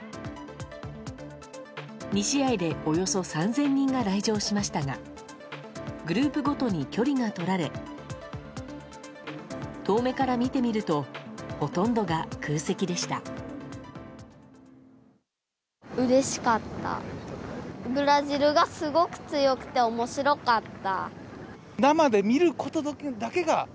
２試合でおよそ３０００人が来場しましたがグループごとに距離がとられ遠目から見てみるとほとんどが空席でした。